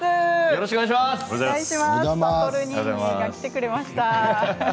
よろしくお願いします。